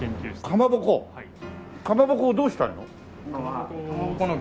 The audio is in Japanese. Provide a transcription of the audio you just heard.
かまぼこをどうしたいの？